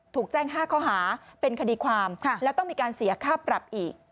ถูกแจ้ง๕ข้อหาเป็นคดีความแล้วต้องมีการเสียค่าปรับอีก